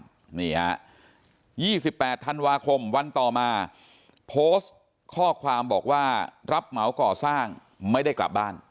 นี่ฮะ๒๘ธันวาคมวันต่อมาโพสต์ข้อความบอกว่ารับเหมาก่อสร้างไม่ได้กลับบ้าน